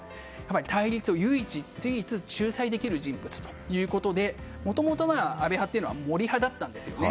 対立を唯一仲裁できる人物でもともと安倍派というのは森派だったんですよね。